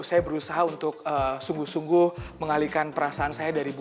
saya berusaha untuk sungguh sungguh mengalihkan perasaan saya dari bu